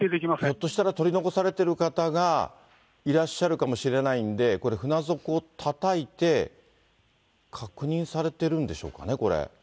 ひょっとしたら取り残されている方がいらっしゃるかもしれないんで、これ、船底たたいて、確認されてるんでしょうかね、これ。